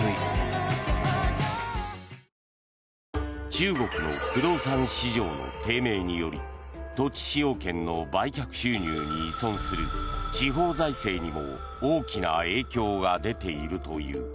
中国の不動産市場の低迷により土地使用権の売却収入に依存する地方財政にも大きな影響が出ているという。